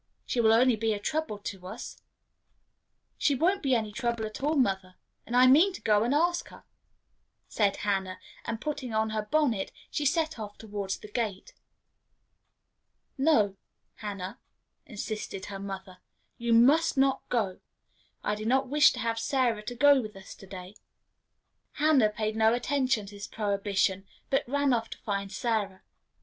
She will only be a trouble to us." "She won't be any trouble at all, mother, and I mean to go and ask her," said Hannah; and, putting on her bonnet, she set off towards the gate. "No, Hannah," insisted her mother, "you must not go. I don't wish to have Sarah go with us to day." Hannah paid no attention to this prohibition, but ran off to find Sarah.